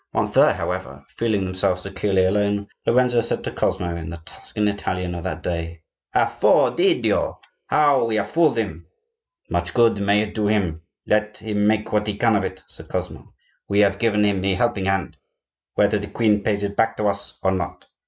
Once there, however, feeling themselves securely alone, Lorenzo said to Cosmo, in the Tuscan Italian of that day:— "Affe d'Iddio! how we have fooled him!" "Much good may it do him; let him make what he can of it!" said Cosmo. "We have given him a helping hand,—whether the queen pays it back to us or not."